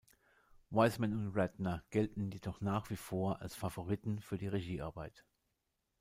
Wiseman und Ratner gelten jedoch nach wie vor als Favoriten für die Regiearbeit.